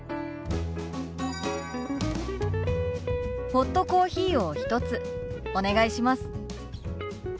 ホットコーヒーを１つお願いします。